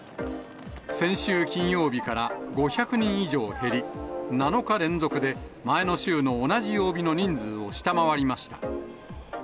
先週金曜日から５００人以上減り、７日連続で前の週の同じ曜日の人数を下回りました。